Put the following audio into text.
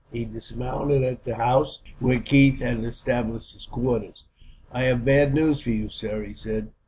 He dismounted at the house where Keith had established his quarters. "I have bad news for you, sir," he said.